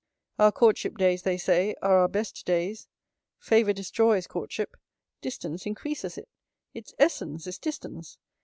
Our courtship days, they say, are our best days. Favour destroys courtship. Distance increases it. Its essence is distance.